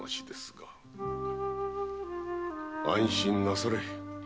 ご安心なされい。